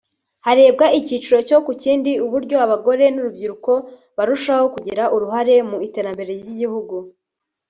harebwa icyiciro ku kindi uburyo abagore n’urubyiruko barushaho kugira uruhare mu iterambere ry’igihugu